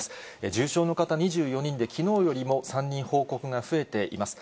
重症の方２４人で、きのうよりも３人報告が増えています。